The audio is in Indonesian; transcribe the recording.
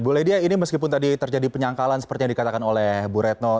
bu ledia ini meskipun tadi terjadi penyangkalan seperti yang dikatakan oleh bu retno